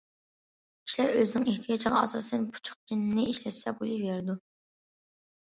كىشىلەر ئۆزىنىڭ ئېھتىياجىغا ئاساسەن پۇچۇق چىنىنى ئىشلەتسە بولۇۋېرىدۇ.